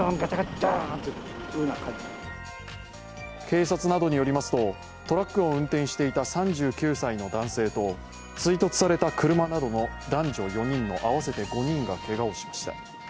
警察などによりますとトラックを運転していた３９歳の男性と追突された車などの男女４人の合わせて５人がけがをしました。